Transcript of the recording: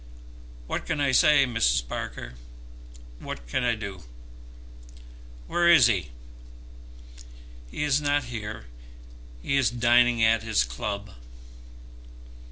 "What can I say, Mrs. Parker; what can I do?" "Where is he?" "He is not here. He is dining at his club."